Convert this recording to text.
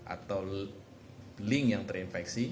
atau link yang terinfeksi